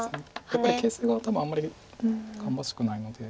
やっぱり形勢は多分あんまり芳しくないので。